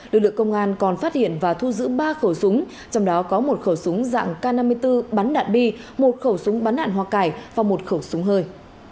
lực lượng công an còn phát hiện và thu giữ ba khẩu súng trong đó có một khẩu súng dạng k năm mươi bốn bắn đạn bi một khẩu súng bắn đạn hoa cải và một khẩu súng hơi